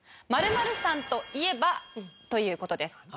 ○○さんと言えば？という事です。